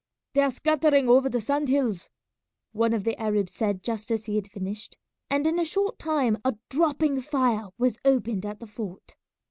"They are scattering over the sand hills," one of the Arabs said just as he had finished, and in a short time a dropping fire was opened at the fort.